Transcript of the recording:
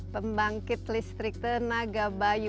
pembangkit listrik tenaga bayu